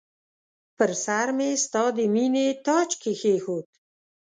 پر سرمې ستا د مییني تاج کښېښود